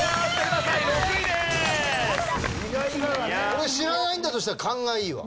これ知らないんだとしたら勘がいいわ。